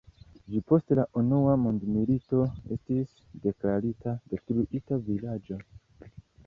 Ĝi post la Unua mondmilito estis deklarita "detruita vilaĝo".